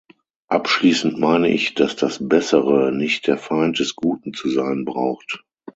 Abschließend meine ich, dass das Bessere nicht der Feind des Guten zu sein braucht.